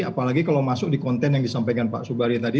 apalagi kalau masuk di konten yang disampaikan pak subari tadi